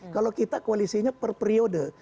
kalau kita koalisinya per periode